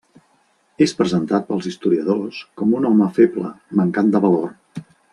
És presentat pels historiadors, com un home feble, mancat de valor.